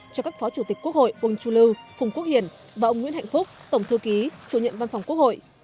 cho các phó chủ tịch quốc hội uông chu lưu phùng quốc hiển và ông nguyễn hạnh phúc tổng thư ký chủ nhiệm văn phòng quốc hội